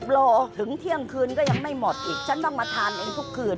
รอถึงเที่ยงคืนก็ยังไม่หมดอีกฉันต้องมาทานเองทุกคืน